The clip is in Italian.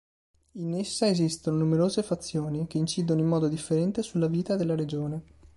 In essa esistono numerose fazioni, che incidono in modo differente sulla vita della regione.